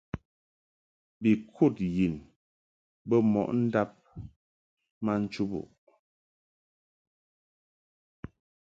Bi kud yin bɛ mo ndab ma nchubuʼ.